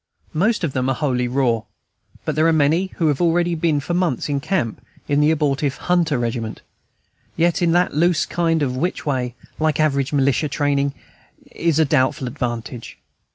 Most of them are wholly raw, but there are many who have already been for months in camp in the abortive "Hunter Regiment," yet in that loose kind of way which, like average militia training, is a doubtful advantage.